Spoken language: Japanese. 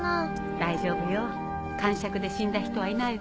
大丈夫よかんしゃくで死んだ人はいないわ。